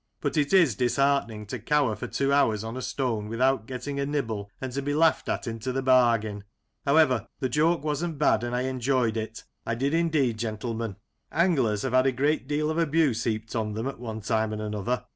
But it is disheartening to cower for two hours on a stone without getting a nibble, and to be laughed at into th' bargain. However, the joke wasn't bad, and I enjoyed it. I did indeed, gentlemen. Anglers have had a great deal of abuse heaped on them at one time and another.